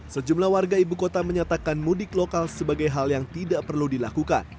sejumlah warga ibu kota menyatakan mudik lokal sebagai hal yang tidak perlu dilakukan